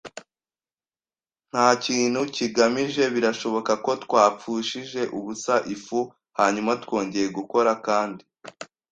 ntakintu kigamije, birashoboka ko twapfushije ubusa ifu. Hanyuma twongeye gukora kandi